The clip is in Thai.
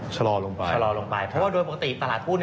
ชะลอลงไปชะลอลงไปเพราะว่าโดยปกติตลาดหุ้น